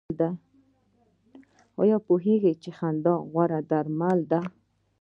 ایا پوهیږئ چې خندا غوره درمل ده؟